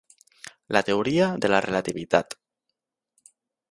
La teoria de la relativitat.